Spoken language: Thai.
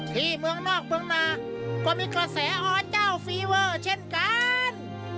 ที่เมืองนอกเมืองนาก็มีกระแสอเจ้าฟีเวอร์เช่นกัน